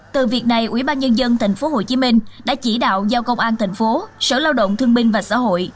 từ việc này ủy ban nhân dân tp hcm đã chỉ đạo giao công an tp sở lao động thương minh và xã hội